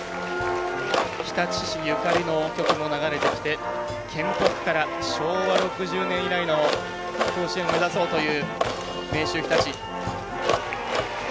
日立市ゆかりの曲も流れてきて県北から昭和６０年以来の甲子園を目指そうという明秀日立。